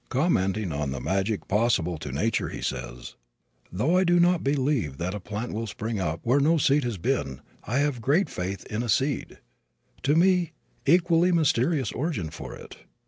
Commenting on the magic possible to nature he says: "Though I do not believe that a plant will spring up where no seed has been, I have great faith in a seed a, to me, equally mysterious origin for it.